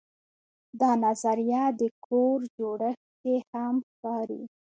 دا نظریه د کور جوړښت کې هم ښکاري.